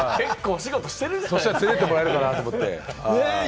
そしたら連れてってもらえるかなと思って。